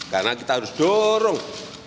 karena kita harus dorong